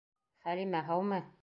Хәлимә, һаумы!